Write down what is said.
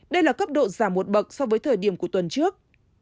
đây là cấp độ giảm một bậc so với thời điểm của tuần trước